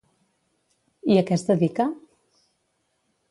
I a què es dedica?